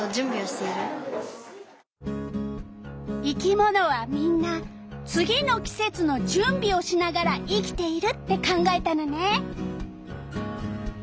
「生き物はみんな次の季節の準備をしながら生きている」って考えたのね。